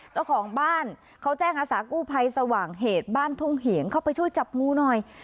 เจ้าของบ้านเขาแจ้งอาสากู้ภัยสว่างเหตุบ้านทุ่งเหียงเข้าไปช่วยจับงูหน่อย